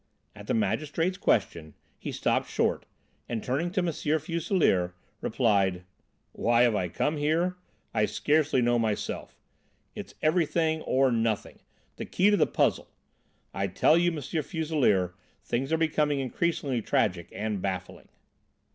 At the Magistrate's question he stopped short, and, turning to M. Fuselier, replied: "Why have I come here? I scarcely know myself. It's everything or nothing. The key to the puzzle. I tell you, M. Fuselier, things are becoming increasingly tragic and baffling."